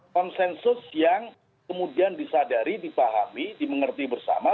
konsensus yang kemudian disadari dipahami dimengerti bersama